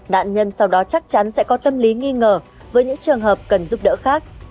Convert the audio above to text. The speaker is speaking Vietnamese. nạn nhân sau đó chắc chắn sẽ có tâm lý nghi ngờ với những trường hợp cần giúp đỡ khác